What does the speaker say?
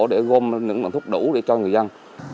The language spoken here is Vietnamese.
để gom những loại thuốc đủ để cho người dân